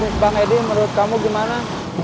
masa depan bisnis bang edy menurut kamu gimana